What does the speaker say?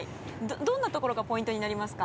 どんなところがポイントになりますか？